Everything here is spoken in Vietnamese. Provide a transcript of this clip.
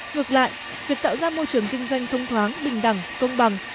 ngược lại việc tạo ra môi trường kinh doanh thông thoáng bình đẳng công bằng